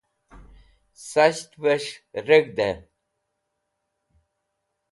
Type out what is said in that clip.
sas̃ht'ves̃h reg̃hd'ey